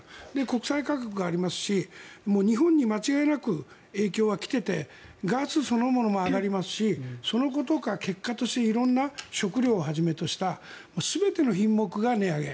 国際価格がありますし日本に間違いなく影響は来ていてガスそのものも上がりますしそのことが結果として色んな食料をはじめとした全ての品目が値上げ。